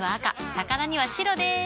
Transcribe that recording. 魚には白でーす。